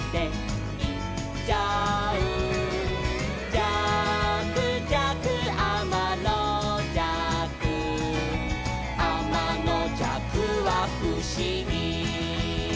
「じゃくじゃくあまのじゃく」「あまのじゃくはふしぎ」